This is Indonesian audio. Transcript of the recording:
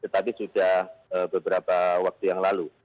tetapi sudah beberapa waktu yang lalu